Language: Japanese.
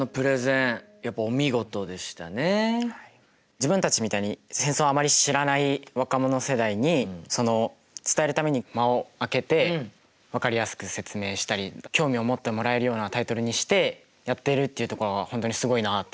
自分たちみたいに戦争をあまり知らない若者世代にその伝えるために間をあけて分かりやすく説明したり興味を持ってもらえるようなタイトルにしてやっているっていうところが本当にすごいなっていうふうに思いました。